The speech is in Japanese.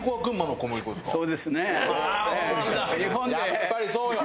やっぱりそうよ！